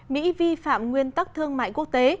mỹ vi phạm nguyên tắc thương mại quốc tế